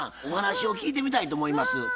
お話を聞いてみたいと思います。